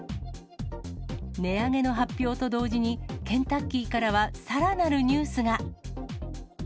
値上げの発表と同時に、ケンタッキーからはさらなるニュースが。